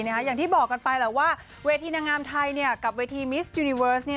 อย่างที่บอกกันไปแหละว่าเวทีนางงามไทยกับเวทีมิสยูนิเวิร์ส